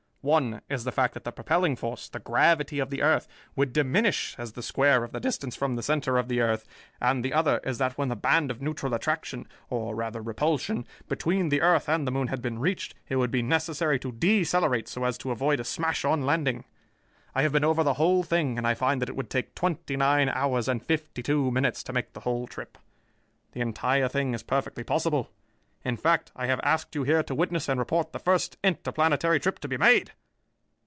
One is the fact that the propelling force, the gravity of the earth, would diminish as the square of the distance from the center of the earth, and the other is that when the band of neutral attraction, or rather repulsion, between the earth and the moon had been reached, it would be necessary to decelerate so as to avoid a smash on landing. I have been over the whole thing and I find that it would take twenty nine hours and fifty two minutes to make the whole trip. The entire thing is perfectly possible. In fact, I have asked you here to witness and report the first interplanetary trip to be made."